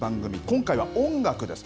今回は音楽です。